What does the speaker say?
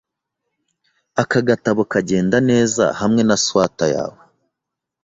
Aka gatabo kagenda neza hamwe na swater yawe.